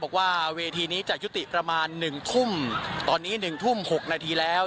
บอกว่าเวทีนี้จะยุติประมาณ๑ทุ่มตอนนี้๑ทุ่ม๖นาทีแล้ว